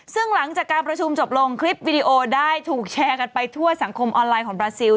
ซึ่งหลังจากการประชุมจบลงคลิปวิดีโอได้ถูกแชร์กันไปทั่วสังคมออนไลน์ของบราซิล